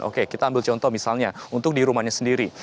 oke kita ambil contoh misalnya untuk di rumahnya sendiri